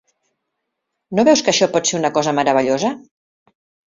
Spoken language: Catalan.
No veus que això pot ser una cosa meravellosa?